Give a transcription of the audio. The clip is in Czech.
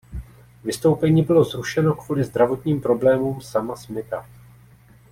Vystoupení bylo zrušeno kvůli zdravotním problémům Sama Smitha.